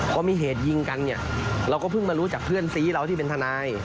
พอมีเหตุยิงกันเนี่ยเราก็เพิ่งมารู้จากเพื่อนซีเราที่เป็นทนาย